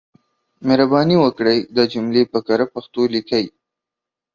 مهرباني وکړئ دا جملې په کره پښتو ليکئ.